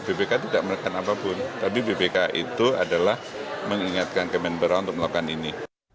bpk tidak menekan apapun tapi bpk itu adalah mengingatkan kemenpora untuk melakukan ini